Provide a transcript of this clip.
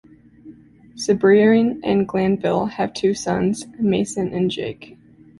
Cibrian and Glanville have two sons, Mason and Jake.